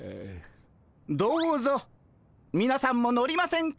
どうぞみなさんも乗りませんか？